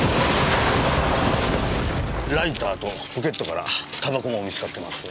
ライターとポケットから煙草も見つかっています。